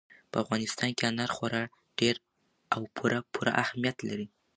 په افغانستان کې انار خورا ډېر او پوره پوره اهمیت لري.